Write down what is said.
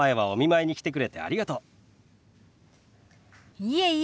いえいえ。